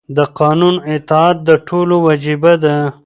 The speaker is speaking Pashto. د قانون اطاعت د ټولو وجیبه ده.